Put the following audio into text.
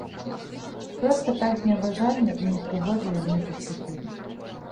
Проста так зневажальна і непрыгожа яны паступілі.